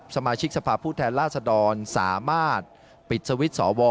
สมาชิกสภาพผู้แทนราษดรสามารถปิดสวิตช์สว